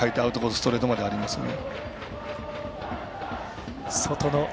ストレートまでありますね。